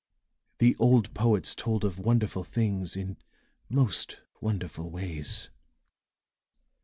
The old poets told of wonderful things in most wonderful ways."